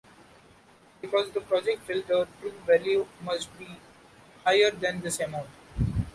Because the project failed, the true value must be higher than this amount.